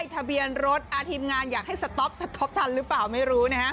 ทีมงานอยากให้สต๊อปสต๊อปทันหรือเปล่าไม่รู้นะฮะ